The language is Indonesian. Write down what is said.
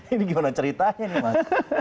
ini gimana ceritanya nih mas